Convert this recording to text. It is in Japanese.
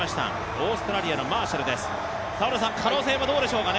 オーストラリアのマーシャルです、可能性はどうでしょうかね。